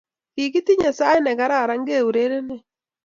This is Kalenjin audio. Kigitinye sait negararan keurerenye